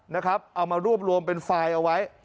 เอามารวบรวมเป็นไฟล์เอาไว้